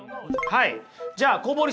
はい。